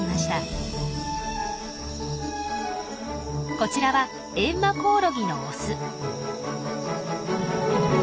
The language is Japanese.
こちらはエンマコオロギのオス。